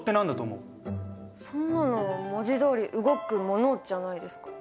そんなの文字どおり動くものじゃないですか？